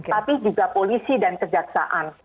tapi juga polisi dan kejaksaan